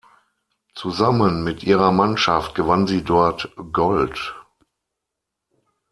Zusammen mit ihrer Mannschaft gewann sie dort Gold.